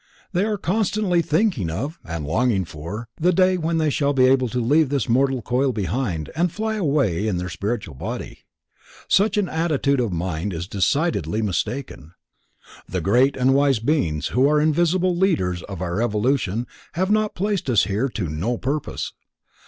They are constantly thinking of, and longing for, the day when they shall be able to leave this mortal coil behind and fly away in their spiritual body. Such an attitude of mind is decidedly mistaken, the great and wise beings who are invisible leaders of our evolution have not placed us here to no purpose.